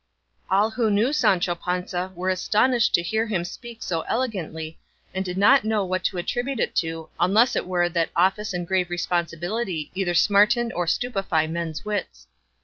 All who knew Sancho Panza were astonished to hear him speak so elegantly, and did not know what to attribute it to unless it were that office and grave responsibility either smarten or stupefy men's wits.